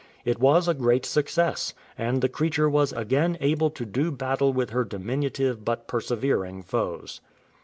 It was a great success, and the creature was again able to do battle with her diminutive but per severing foes.